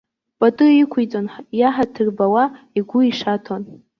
Пату иқәиҵон, иаҳаҭыр бауа, игәы ишаҭон.